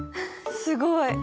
すごい。